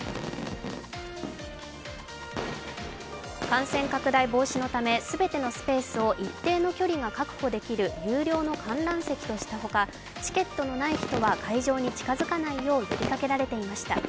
感染拡大防止のため全てのスペースを一定の距離が確保できる有料の観覧席とした他、チケットのない人は会場に近づかないよう呼びかけられていました。